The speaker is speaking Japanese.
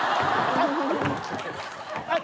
あっ！